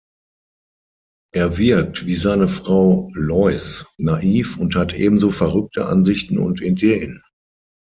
Er wirkt wie seine Frau Lois naiv und hat ebenso verrückte Ansichten und Ideen.